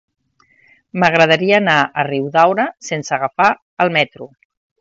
M'agradaria anar a Riudaura sense agafar el metro.